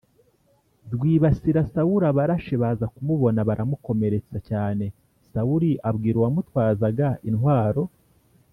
Rwibasira sawuli abarashi baza kumubona baramukomeretsa cyane sawuli abwira uwamutwazaga intwaro